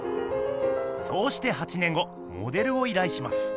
そうして８年後モデルをいらいします。